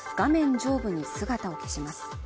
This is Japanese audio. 上部に姿を消します